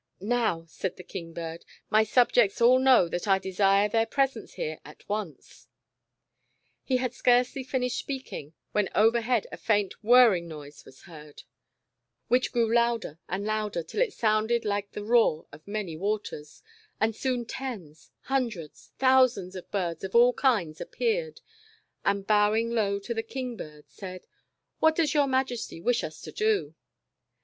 "Now," said the King bird, "my subjects all know that I desire their presence here, at once." He had scarcely finished speaking when over head a faint "whirring" noise was heard, which 220 The Disobedient Island. grew louder and louder till it sounded like the "roar of many waters," and soon tens, hundreds, thousands of birds of all kinds appeared, and bow ing low to the King bird, said : "What does your Majesty wish us to do?"